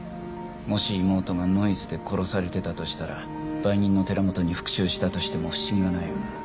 もし妹がノイズで殺されてたとしたら売人の寺本に復讐したとしても不思議はないわな。